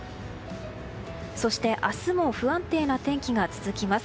そして明日も不安定な天気が続きます。